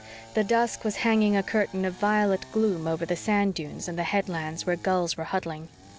The dusk was hanging a curtain of violet gloom over the sand dunes and the headlands where gulls were huddling.